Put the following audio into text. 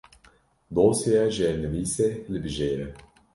Dosyeya jêrnivîsê hilbijêre.